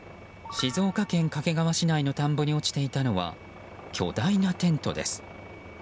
静岡県掛川市内の田んぼに落ちていたのは巨大なテントです。